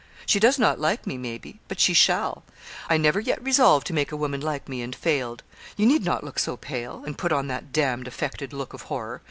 She does not like me, maybe; but she shall. I never yet resolved to make a woman like me, and failed. You need not look so pale; and put on that damned affected look of horror.